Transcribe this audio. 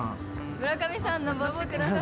村上さん上ってください。